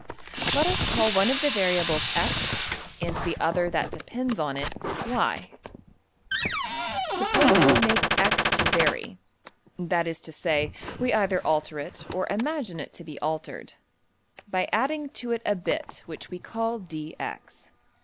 Let us call one of the variables~$x$, and the other that depends on it~$y$. Suppose we make $x$ to vary, that is to say, we either alter it or imagine it to be altered, by adding to it a bit which we call~$dx$.